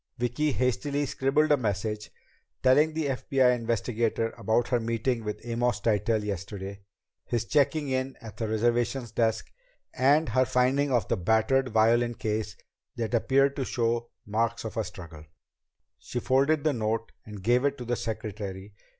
Vicki hastily scribbled a message, telling the FBI investigator about her meeting with Amos Tytell yesterday; his checking in at the reservations desk; and her finding of the battered violin case that appeared to show marks of a struggle. She folded the note and gave it to the secretary.